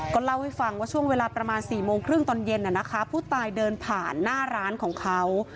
ก็เล่าให้ฟังว่าช่วงเวลาประมาณ๔โมงครึ่งตอนเย็นผู้ตายเดินผ่านหน้าร้านของเขา